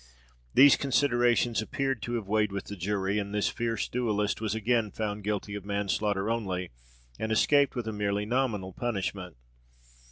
These considerations appear to have weighed with the jury, and this fierce duellist was again found guilty of manslaughter only, and escaped with a merely nominal punishment.